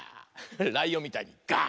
ライオンみたいに「があ！」。